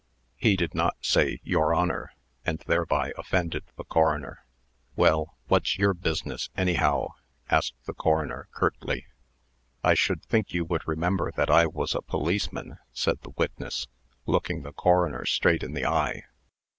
He did not say "Your Honor," and thereby offended the coroner. "Well, what's yer bizness, anyhow?" asked the coroner, curtly. "I should think you would remember that I was a policeman," said the witness, looking the coroner straight in the eye.